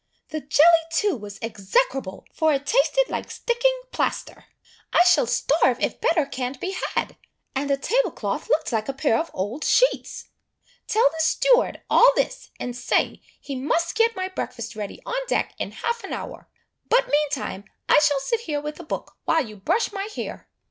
The jelly, too, was execrable, for it tasted like sticking plaster I shall starve if better can't be had; and the table cloth looked like a pair of old sheets. Tell the steward all this, and say, he must get my breakfast ready on deck in half an hour; but meantime, I shall sit here with a book while you brush my hair."